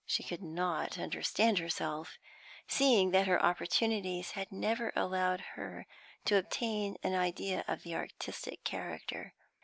She could not understand herself, seeing that her opportunities had never allowed her to obtain an idea of the artistic character.